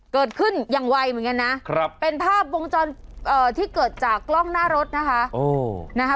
เกิดขึ้นอย่างไวเหมือนกันนะเป็นภาพวงจรที่เกิดจากกล้องหน้ารถนะคะ